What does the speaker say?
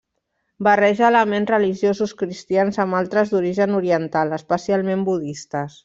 Barreja elements religiosos cristians amb altres d'origen oriental, especialment budistes.